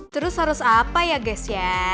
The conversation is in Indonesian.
terus harus apa ya gus ya